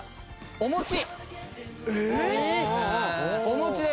お餅です。